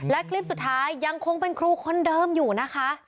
และคลิปสุดท้ายยังคงเป็นครูคนเดิมอยู่นะคะ